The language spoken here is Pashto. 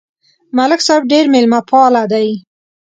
ملک صاحب ډېر مېلمهپاله دی.